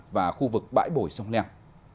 và khu vực bãi bồi sông leng